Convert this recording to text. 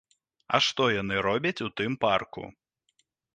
А што яны робяць у тым парку?